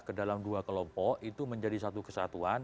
kedalam dua kelompok itu menjadi satu kesatuan